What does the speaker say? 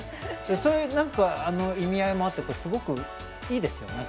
そういう意味合いもあってすごくいいですよ。